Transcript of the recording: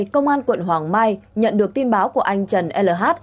công an quận hoàng mai nhận được tin báo của anh trần l